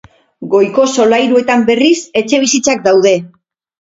Goiko solairuetan, berriz, etxebizitzak daude.